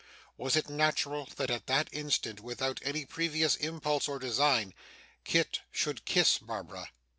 Was it natural that at that instant, without any previous impulse or design, Kit should kiss Barbara?